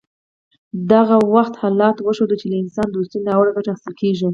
د هغه وخت حالاتو وښوده چې له انسان دوستۍ ناوړه ګټه اخیستل کیږي